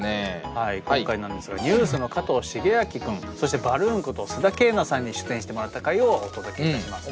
はい今回なんですがＮＥＷＳの加藤シゲアキ君そしてバルーンこと須田景凪さんに出演してもらった回をお届けいたします！